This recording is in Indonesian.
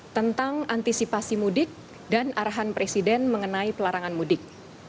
tentang antisipasi mudik dan arahan presiden mengenai pelarangan mudik